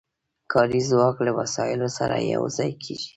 کاري ځواک له وسایلو سره یو ځای کېږي